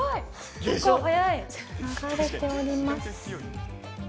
結構、速い。流れております。